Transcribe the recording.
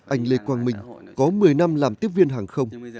anh lê quang minh có một mươi năm làm tiếp viên hàng không